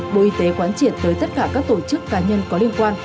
bộ y tế quán triển tới tất cả các tổ chức cá nhân có liên quan